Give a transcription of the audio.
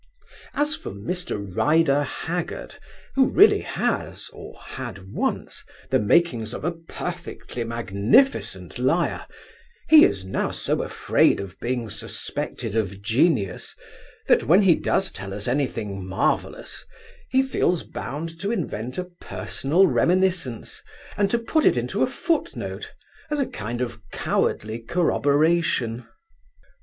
As for Mr. Rider Haggard, who really has, or had once, the makings of a perfectly magnificent liar, he is now so afraid of being suspected of genius that when he does tell us anything marvellous, he feels bound to invent a personal reminiscence, and to put it into a footnote as a kind of cowardly corroboration.